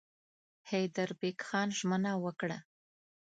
حیدربېګ خان ژمنه وکړه.